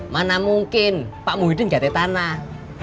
mana mungkin pak muhyiddin jate tanah